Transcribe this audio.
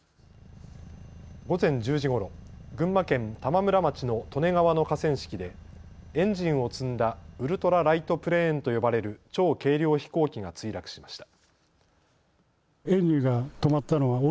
午前１０時ごろ、群馬県玉村町の利根川の河川敷でエンジンを積んだウルトラライトプレーンと呼ばれる超軽量飛行機が墜落しました。